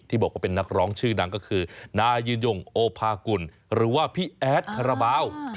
บอกว่าเป็นนักร้องชื่อดังก็คือนายยืนยงโอภากุลหรือว่าพี่แอดคาราบาล